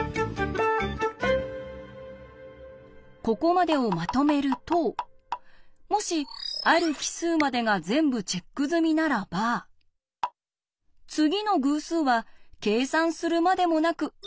ここまでをまとめるともしある奇数までが全部チェック済みならば次の偶数は計算するまでもなく１に行きます。